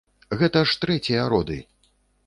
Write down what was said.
Гэта ж трэція роды.